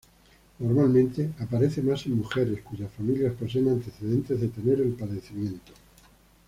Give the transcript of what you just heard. Normalmente aparece más en mujeres cuyas familias poseen antecedentes de tener el padecimiento.